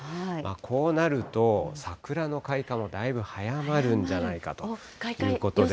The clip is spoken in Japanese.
こうなると、桜の開花もだいぶ早まるんじゃないかということで。